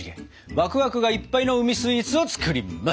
ワクワクがいっぱいの海スイーツを作ります！